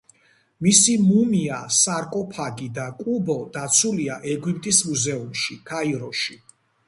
მისი მუმია, სარკოფაგი და კუბო დაცულია ეგვიპტის მუზეუმში, კაიროში.